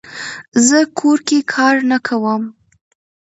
زه کور کې کار نه کووم